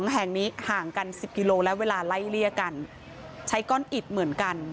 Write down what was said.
แห่งนี้ห่างกัน๑๐กิโลและเวลาไล่เลี่ยกันใช้ก้อนอิดเหมือนกัน